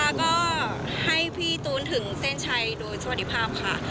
แล้วก็ให้พี่ตูนถึงเส้นชัยโดยสวัสดีภาพค่ะ